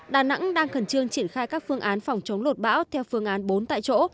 đà nẵng đang khẩn trương triển khai các phương án phòng chống lột bão theo phương án bốn tại chỗ